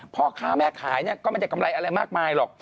พ่อค้าแม่ขายเนี่ยก็ไม่ได้กำไรอะไรมากมายหรอก